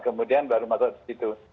kemudian baru masuk ke situ